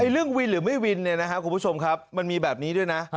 เรื่องวินหรือไม่วินเนี่ยนะครับคุณผู้ชมครับมันมีแบบนี้ด้วยนะ